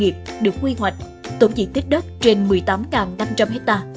tổng diện tích đất trên một mươi tám năm trăm linh hectare